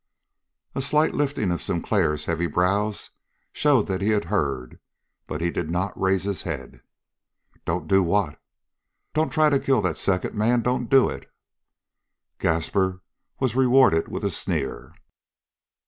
A slight lifting of Sinclair's heavy brows showed that he had heard, but he did not raise his head. "Don't do what?" "Don't try to kill that second man. Don't do it!" Gaspar was rewarded with a sneer.